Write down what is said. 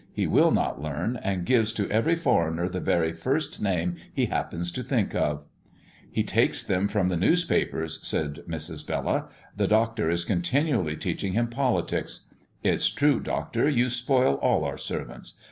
He will not learn, and gives to every foreigner the very first name he happens to think of." "He takes them from the newspapers," said Mrs. Bella. "The Doctor is continually teaching him politics. It's true, Doctor, you spoil all our servants.